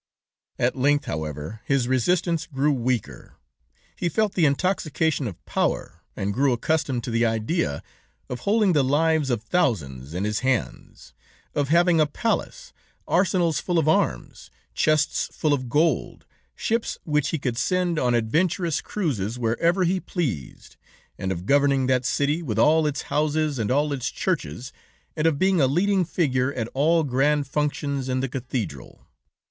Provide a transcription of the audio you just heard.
"At length, however, his resistance grew weaker; he felt the intoxication of power, and grew accustomed to the idea of holding the lives of thousands in his hands, of having a palace, arsenals full of arms, chests full of gold, ships which he could send on adventurous cruises wherever he pleased, and of governing that city, with all its houses and all its churches, and of being a leading figure at all grand functions in the cathedral.